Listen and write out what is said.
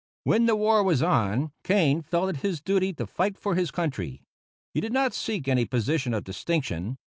When the war was on, Kane felt it his duty to fight for his country. He did not seek any position of distinction.